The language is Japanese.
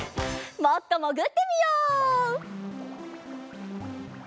もっともぐってみよう！